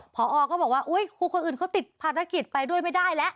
พอก็บอกว่าอุ๊ยครูคนอื่นเขาติดภารกิจไปด้วยไม่ได้แล้ว